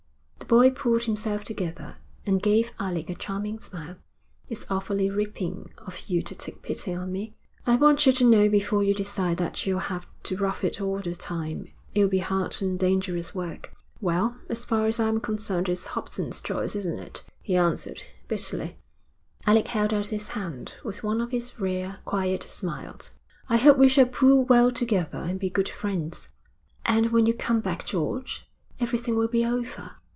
The boy pulled himself together and gave Alec a charming smile. 'It's awfully ripping of you to take pity on me.' 'I want you to know before you decide that you'll have to rough it all the time. It'll be hard and dangerous work.' 'Well, as far as I'm concerned it's Hobson's choice, isn't it?' he answered, bitterly. Alec held out his hand, with one of his rare, quiet smiles. 'I hope we shall pull well together and be good friends.' 'And when you come back, George, everything will be over.